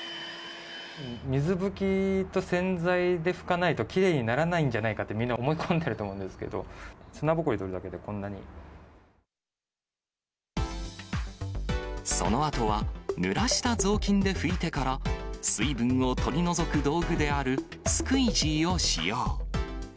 水拭きと洗剤で拭かないときれいにならないんじゃないかって、みんな思い込んでると思うんですけど、そのあとは、ぬらした雑巾で拭いてから、水分を取り除く道具である、スクイジーを使用。